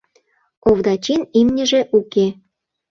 Овдачин имньыже уке.